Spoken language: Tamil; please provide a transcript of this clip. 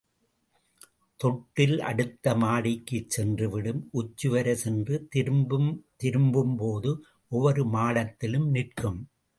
தொட்டில் அடுத்த மாடிக்குச் சென்றுவிடும், உச்சிவரை சென்று திரும்பும் திரும்பும்போது ஒவ்வொரு மாடத்திலும் நிற்கும்.